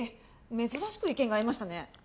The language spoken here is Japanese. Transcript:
珍しく意見が合いましたね。